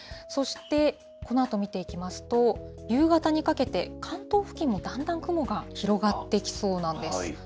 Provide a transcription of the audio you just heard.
そして、このあと見ていきますと、夕方にかけて、関東付近もだんだん雲が広がってきそうなんです。